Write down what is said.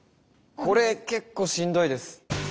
これ結構しんどいです。